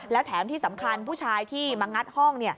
แล้วแถมที่สำคัญผู้ชายที่มางัดห้อง